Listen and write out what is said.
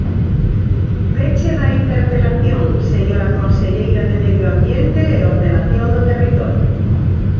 Peche da interpelación, señora conselleira de Medio Ambiente e Ordenación do Territorio.